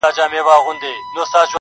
تش په نامه دغه ديدار وچاته څه وركوي.